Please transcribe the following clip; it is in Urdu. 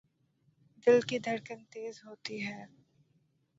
دل کی دھڑکن تیز ہوتی ہے